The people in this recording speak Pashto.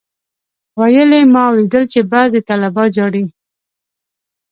ويل يې ما اوليدل چې بعضي طلبا جاړي.